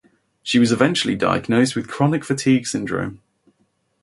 She was eventually diagnosed with chronic fatigue syndrome.